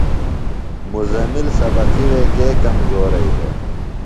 مزمل سبقیۡ وے کے کمزورئی دےۡ؟